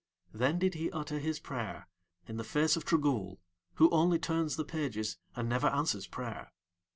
Then did he utter his prayer in the fact of Trogool who only turns the pages and never answers prayer.